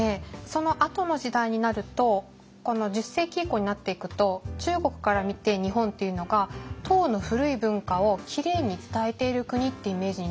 そのあとの時代になるとこの１０世紀以降になっていくと中国から見て日本っていうのが唐の古い文化をきれいに伝えている国ってイメージになっていくんですよ。